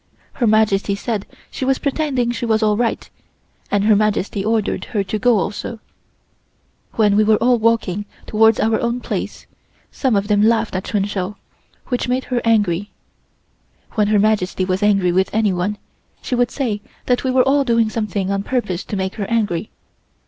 Her Majesty said she was pretending she was all right, and Her Majesty ordered her to go also. When we were walking towards our own place, some of them laughed at Chun Shou, which made her angry. When Her Majesty was angry with anyone, she would say that we were all doing something on purpose to make her angry.